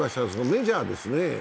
メジャーですね。